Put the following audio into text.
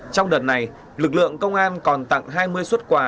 trong đợt này lực lượng công an còn tặng hai mươi xuất quà